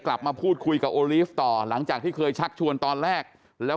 กลับมาพูดคุยกับโอลีฟต่อหลังจากที่เคยชักชวนตอนแรกแล้ว